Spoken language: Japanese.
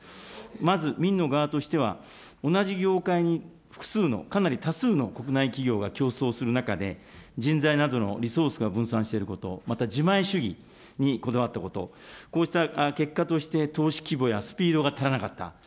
まず民の側としては、同じ業界に複数のかなり多数の国内企業が競争する中で、人材などのリソースが分散していること、また自前主義にこだわったこと、こうした結果として、投資規模やスピードが足らなかった。